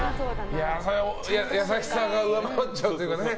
優しさが上回っちゃうというかね。